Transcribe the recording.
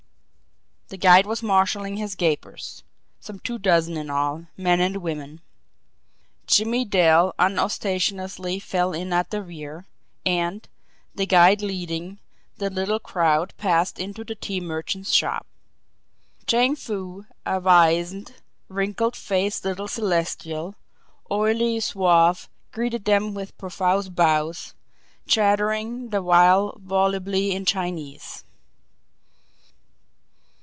The guide was marshalling his "gapers" some two dozen in all, men and women. Jimmie Dale unostentatiously fell in at the rear; and, the guide leading, the little crowd passed into the tea merchant's shop. Chang Foo, a wizened, wrinkled faced little Celestial, oily, suave, greeted them with profuse bows, chattering the while volubly in Chinese.